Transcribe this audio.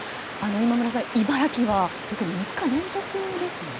今村さん、茨城は特に３日連続ですね。